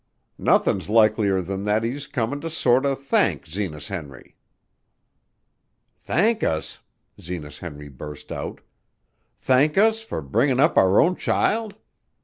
"Nothin's likelier than that he's comin' to sorter thank Zenas Henry." "Thank us!" Zenas Henry burst out. "Thank us for bringin' up our own child!